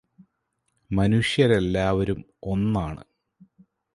മനുഷ്യരെല്ലാവരും ഒന്നാണ്